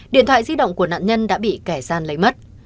điện thoại di động của nạn nhân đã bị kẻ gian lấy mất